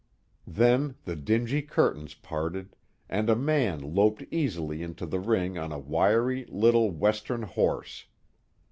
Then the dingy curtains parted, and a man loped easily into the ring on a wiry, little Western horse.